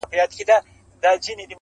جسد به یې بربنډ په کوڅو کې لیږدوو